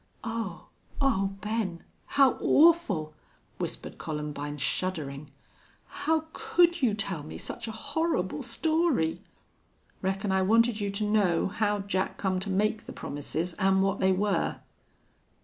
"Oh! Oh, Ben, how awful!" whispered Columbine, shuddering. "How could you tell me such a horrible story?" "Reckon I wanted you to know how Jack come to make the promises an' what they were."